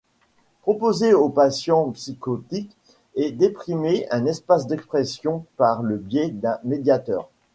Proposer aux patients psychotiques ou déprimés un espace d'expression par le biais d'un médiateur.